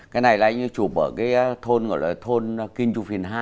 cái này anh ấy chụp ở cái thôn gọi là thôn kinh chu phiền hai